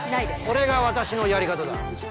これが私のやり方だ。